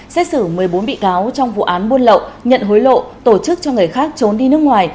xét xử một mươi bốn bị cáo trong vụ án buôn lậu nhận hối lộ tổ chức cho người khác trốn đi nước ngoài